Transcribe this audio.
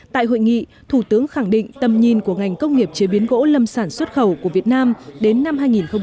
tại hội nghị thủ tướng khẳng định tầm nhìn của ngành công nghiệp chế biến gỗ lâm sản xuất khẩu của việt nam đến năm hai nghìn ba mươi